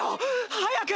早く！